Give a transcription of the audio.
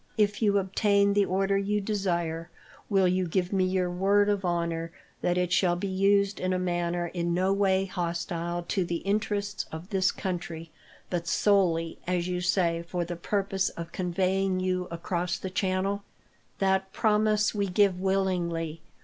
"If you obtain the order you desire, will you give me your word of honour that it shall be used in a manner in no way hostile to the interests of this country, but solely, as you say, for the purpose of conveying you across the channel?" "That promise we give willingly.